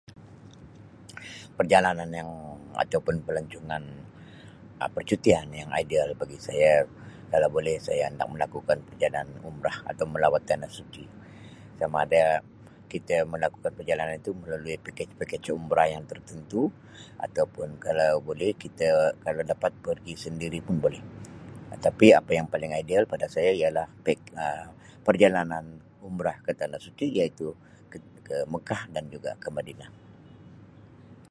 Perjalanan yang- ataupun pelancungan Um percutian yang ideal bagi saya kalau boleh saya nak melakukan perjalanan umrah atau melawat Tanah Suci. Sama ada kite melakukan perjalanan itu melalui pakej-pakej Umrah yang tertentu ataupun kalau boleh kita- kalau dapat pergi sendiri pun boleh. Tapi apa yang paling ideal pada saya ialah pak- Um perjalanan umrah ke Tanah Suci iaitu ket- ke Mekah dan juga ke Madinah.